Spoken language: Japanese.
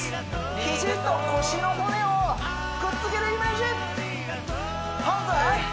肘と腰の骨をくっつけるイメージ反対